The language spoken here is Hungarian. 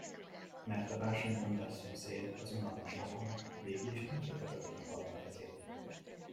Mert a bársonybundás szomszéd, az unalmas vakond, végül is megkérte Pöttöm Panna kezét.